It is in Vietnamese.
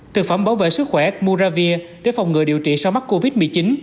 thực phẩm bảo vệ sức khỏe muravir để phòng ngừa điều trị sau mắc covid một mươi chín